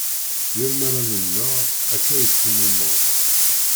Yal mi ara nennaɣ akka i ttximimeɣ.